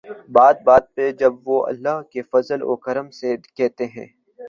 بات بات پر جب وہ'اللہ کے فضل و کرم سے‘ کہتے ہیں۔